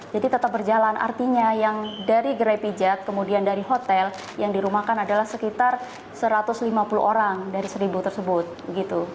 jadi tetap berjalan artinya yang dari gerai pijat kemudian dari hotel yang dirumahkan adalah sekitar satu ratus lima puluh orang dari seribu tersebut